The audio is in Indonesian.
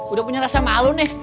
udah punya rasa malu nih